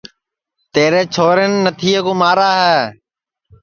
تیرے چھورین نتھیے کُو مارا ہے